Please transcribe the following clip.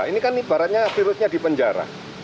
ini kan ibaratnya virusnya dipenjara